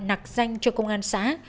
nặc danh cho công an xã